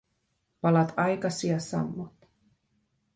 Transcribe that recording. Palat aikasi ja sammut.